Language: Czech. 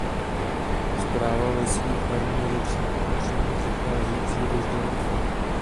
Zpráva ve svých harmonizačních opatřeních zachází příliš daleko.